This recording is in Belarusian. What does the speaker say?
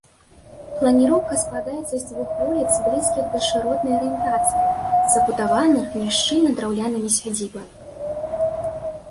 Планіроўка складаецца з дзвюх вуліц, блізкіх да шыротнай арыентацыі, забудаваных няшчыльна драўлянымі сядзібамі.